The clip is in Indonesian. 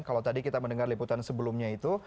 kalau tadi kita mendengar liputan sebelumnya itu